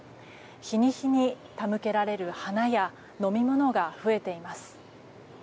日に日に手向けられる花や飲み物が増えています。